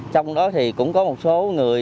trong đó thì cũng có một số người